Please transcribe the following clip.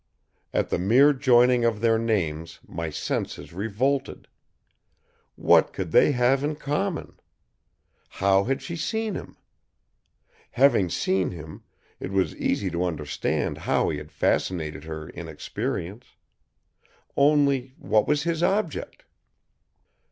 At the mere joining of their names my senses revolted. What could they have in common? How had she seen him? Having seen him, it was easy to understand how he had fascinated her inexperience. Only, what was his object?